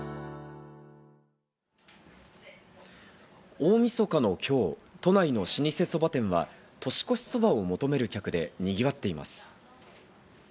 大みそかの今日、都内の老舗そば店は年越しそばを求める客でにぎわっています。